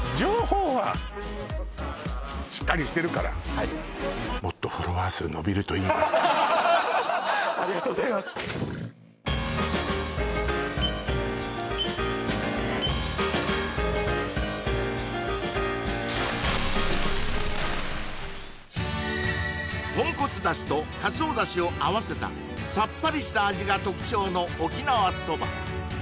はいありがとうございます豚骨だしとカツオだしを合わせたさっぱりした味が特徴の沖縄そば